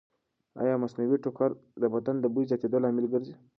ایا مصنوعي ټوکر د بدن د بوی زیاتېدو لامل ګرځي؟